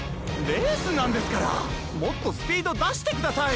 レースなんですからもっとスピードだしてください！